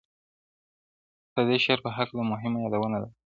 خو ددې شعر په هکله مهمه یادونه دا ده -